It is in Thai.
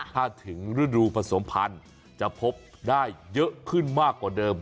ถ้าถึงฤดูผสมพันธุ์จะพบได้เยอะขึ้นมากกว่าเดิม